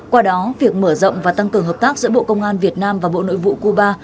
qua đó việc mở rộng và tăng cường hợp tác giữa bộ công an việt nam và bộ nội vụ cuba